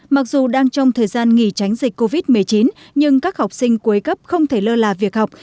mặc dù đang trong thời gian nghỉ tránh dịch covid một mươi chín nhưng các học sinh cuối cấp không thể lơ là việc học